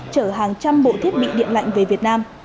chở hàng trăm bộ thiết bị điện lạnh về việt nam